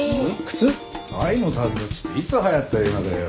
『愛の旅だち』っていつ流行った映画だよ。